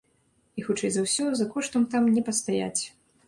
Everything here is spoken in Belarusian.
І, хутчэй за ўсё, за коштам там не пастаяць.